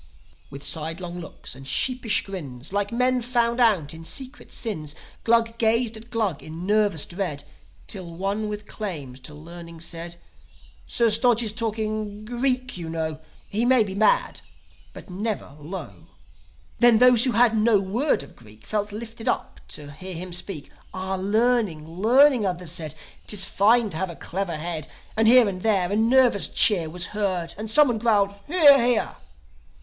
With sidelong looks and sheepish grins, Like men found out in secret sins, Glug gazed at Glug in nervous dread; Till one with claims to learning said, "Sir Stodge is talking Greek, you know. He may be bad, but never low." Then those who had no word of Greek Felt lifted up to hear him speak. "Ah, learning, learning," others said. 'Tis fine to have a clever head." And here and there a nervous cheer Was heard, and someone growled, "Hear, hear."